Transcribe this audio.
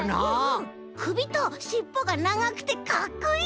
くびとしっぽがながくてかっこいい！